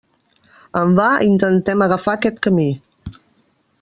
En va intentem agafar aquest camí.